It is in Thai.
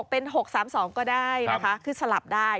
เป็น๖๓๒ก็ได้นะคะคือสลับได้